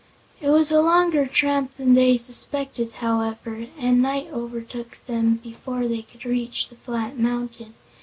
It was a longer tramp than they suspected, however, and night overtook them before they could reach the flat mountain.